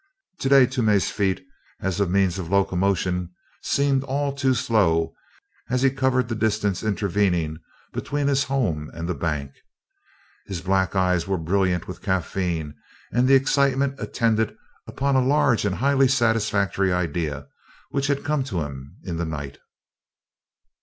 To day Toomey's feet as a means of locomotion seemed all too slow as he covered the distance intervening between his home and the bank. His black eyes were brilliant with caffeine and the excitement attendant upon a large and highly satisfactory idea which had come to him in the night.